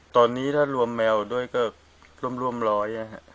ตอนนี้ถ้ารวมแมวด้วยก็ร่วมร้อยนะครับ